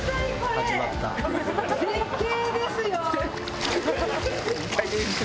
絶景ですよ。